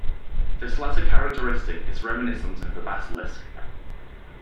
This latter characteristic is reminiscent of the basilisk.